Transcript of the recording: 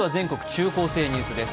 中高生ニュース」です